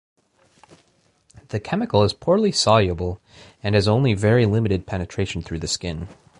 The chemical is poorly soluble, and has only very limited penetration through the skin.